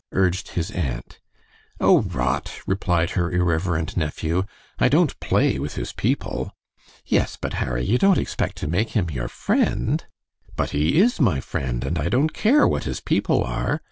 urged his aunt. "Oh, rot!" replied her irreverent nephew; "I don't play with his people." "Yes, but Harry, you don't expect to make him your friend?" "But he is my friend, and I don't care what his people are.